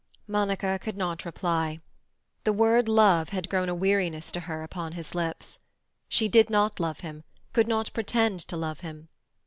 Monica could not reply. That word "love" had grown a weariness to her upon his lips. She did not love him; could not pretend to love him.